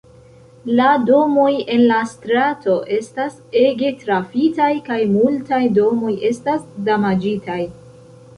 La domoj en la strato estas ege trafitaj kaj multaj domoj estas damaĝitaj.